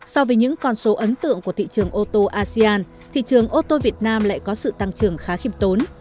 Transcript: so với những con số ấn tượng của thị trường ô tô asean thị trường ô tô việt nam lại có sự tăng trưởng khá khiêm tốn